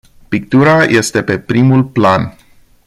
Pictura este pe primul plan.